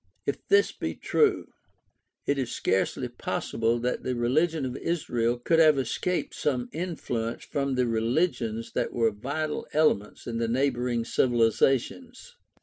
If this be true, it is scarcely possible that the religion of Israel could have escaped some influence from the religions that were vital elements in these neighboring civilizations.